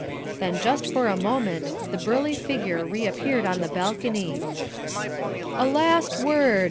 Then just for a moment the burly figure reappeared on the balcony. "A last word!"